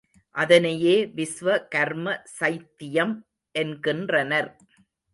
அதனையே விஸ்வ கர்ம சைத்தியம் என்கின்றனர்.